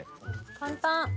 簡単。